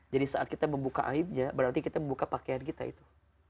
jadi saat kita membuka aimnya berarti kita membuka pakaian kita itu